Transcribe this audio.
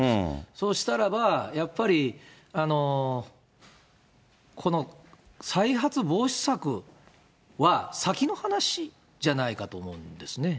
そうしたらば、やっぱりこの再発防止策は先の話じゃないかと思うんですね。